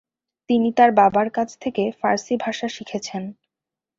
তিনি তার বাবার কাছ থেকে ফারসি ভাষা শিখেছেন।